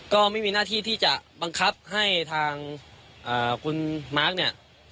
ก็ไม่มีหน้าที่ที่จะบังคับให้ทางคุณมาร์คเนี่ย